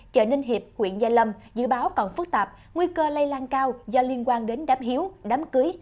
chợ ninh hiệp huyện gia lâm dự báo còn phức tạp nguy cơ lây lan cao do liên quan đến đám hiếu đám cưới